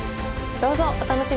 どうぞお楽しみに！